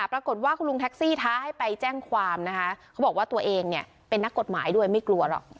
ปรากฏว่าคุณลุงแท็กซี่ท้าให้ไปแจ้งความนะคะเขาบอกว่าตัวเองเนี่ยเป็นนักกฎหมายด้วยไม่กลัวหรอก